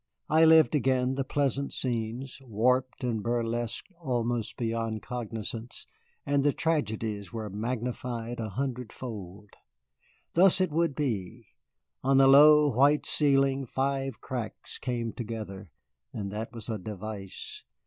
I lived again the pleasant scenes, warped and burlesqued almost beyond cognizance, and the tragedies were magnified a hundred fold. Thus it would be: on the low, white ceiling five cracks came together, and that was a device.